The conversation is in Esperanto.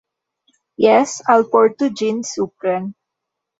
Jes, alportu ĝin supren.